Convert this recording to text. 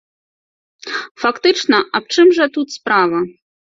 Фактычна, аб чым жа тут справа?